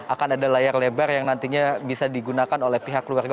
akan ada layar lebar yang nantinya bisa digunakan oleh pihak keluarga